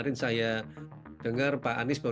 dengan biaya empat orang dengan empat belas udara yang tidur